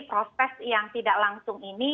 proses yang tidak langsung ini